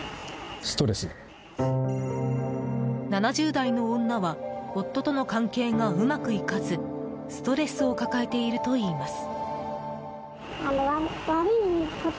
７０代の女は夫との関係がうまくいかずストレスを抱えているといいます。